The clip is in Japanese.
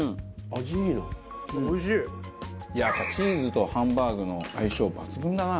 やっぱチーズとハンバーグの相性抜群だな。